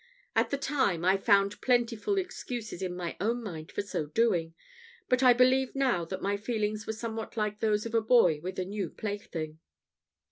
At the time, I found plentiful excuses in my own mind for so doing; but I believe now that my feelings were somewhat like those of a boy with a new plaything.